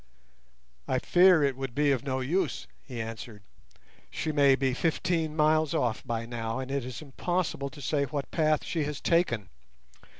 "I fear it would be of no use," he answered. "She may be fifteen miles off by now, and it is impossible to say what path she has taken.